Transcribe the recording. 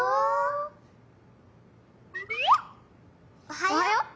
おはよっ。